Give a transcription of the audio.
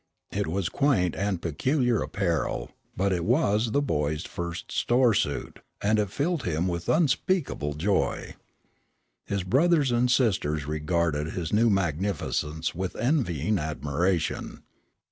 It was quaint and peculiar apparel, but it was the boy's first "store suit," and it filled him with unspeakable joy. His brothers and sisters regarded his new magnificence with envying admiration.